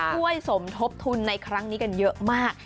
ช่วยสมทบทุนในครั้งนี้กันเยอะมาก